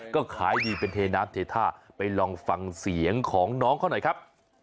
ก็ขายดีเป็นเทน้ำเทท่าไปลองฟังเสียงของน้องเขาหน่อยครับ